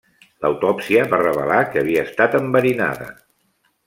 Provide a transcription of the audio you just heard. L'autòpsia va revelar que havia estat enverinada.